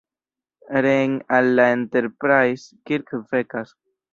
Reen al la Enterprise, Kirk vekas.